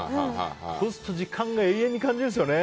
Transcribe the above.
そうすると時間が永遠に感じるんですよね。